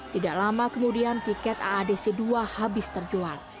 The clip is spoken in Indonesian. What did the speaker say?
tidak lama kemudian tiket aadc dua habis terjual